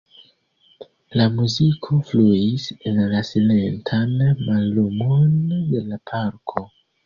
La muziko fluis en la silentan mallumon de la parko.